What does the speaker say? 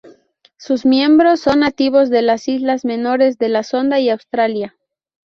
Sus miembros son nativos de las islas menores de la Sonda y Australia.